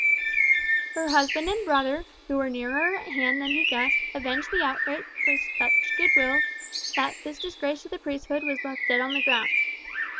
Her husband and brother, who were nearer at hand than he guessed, avenged the outrage with such good wills that this disgrace to the priesthood was left dead on the ground.